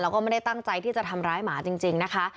แล้วก็ไม่ได้ตั้งใจที่จะทำร้ายหมาจริงนะคะ